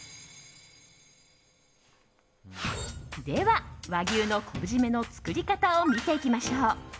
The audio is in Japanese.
では、和牛の昆布〆の作り方を見ていきましょう。